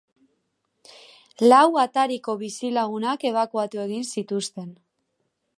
Lau atariko bizilagunak ebakuatu egin zituzten.